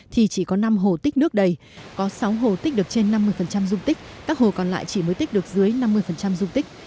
thì chỉ có năm hồ tích nước đầy có sáu hồ tích được trên năm mươi dung tích các hồ còn lại chỉ mới tích được dưới năm mươi dung tích